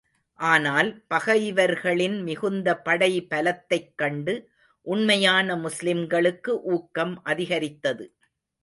ஆனால், பகைவர்களின் மிகுந்த படைபலத்தைக் கண்டு, உண்மையான முஸ்லிம்களுக்கு ஊக்கம் அதிகரித்தது.